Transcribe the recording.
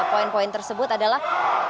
poin poin tersebut adalah